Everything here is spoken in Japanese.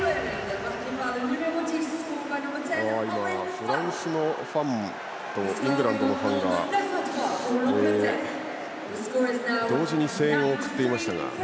フランスのファンとイングランドのファンが同時に声援を送っていましたが。